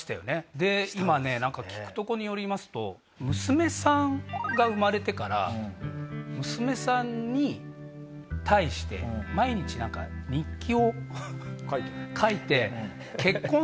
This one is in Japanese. で今ね何か聞くところによりますと娘さんが生まれてから娘さんに対して毎日何か日記を書いて。